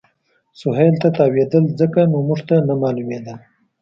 سهېل ته تاوېدل، ځکه نو موږ ته نه معلومېدل.